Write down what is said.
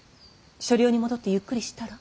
所領に戻ってゆっくりしたら。